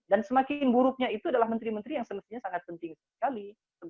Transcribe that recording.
dan semakin buruknya itu adalah menteri menteri yang semestinya sangat penting sekali